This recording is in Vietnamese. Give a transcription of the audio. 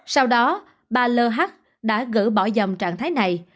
sau đó bà lh đã gỡ bỏ dòng trạng thái này